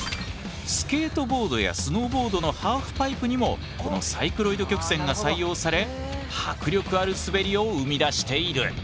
スケートボードやスノーボードのハーフパイプにもこのサイクロイド曲線が採用され迫力ある滑りを生み出している。